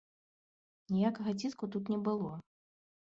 Ніякага ціску тут не было.